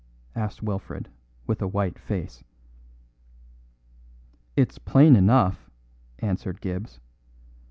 asked Wilfred, with a white face. "It's plain enough," answered Gibbs.